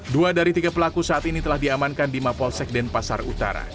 dua dari tiga pelaku saat ini telah diamankan di mapolsek denpasar utara